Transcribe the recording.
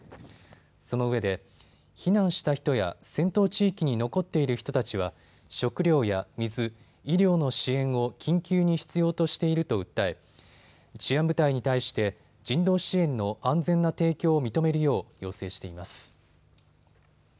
そのうえで避難した人や戦闘地域に残っている人たちは食料や水、医療の支援を緊急に必要としていると訴え治安部隊に対して人道支援の安全な提供を認めるよう要請しています。